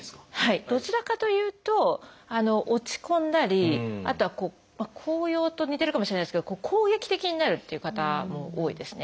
どちらかというと落ち込んだりあとは高揚と似てるかもしれないですけど攻撃的になるっていう方多いですね。